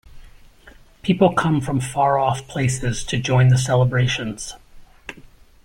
People come from far off places to join the celebrations.